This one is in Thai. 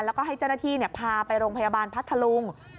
แล้วก็ให้เจ้าหน้าที่พาไปโรงพยาบาลพัทธลุง